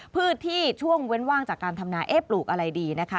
พื้นที่ช่วงเว้นว่างจากการทำนาเอ๊ะปลูกอะไรดีนะคะ